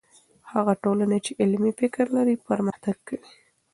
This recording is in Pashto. هغه ټولنه چې علمي فکر لري، پرمختګ کوي.